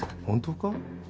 本当か？